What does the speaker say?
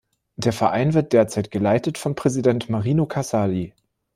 Der Verein wird derzeit geleitet von Präsident Marino Casali.